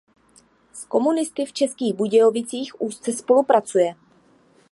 S komunisty v Českých Budějovicích úzce spolupracuje.